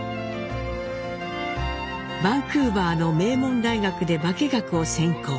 バンクーバーの名門大学で化学を専攻。